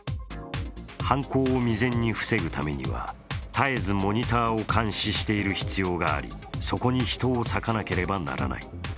犯行を未然に防ぐためには絶えずモニターを監視している必要がありそこに人を割かなければならない。